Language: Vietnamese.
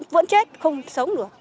vẫn chết không sống được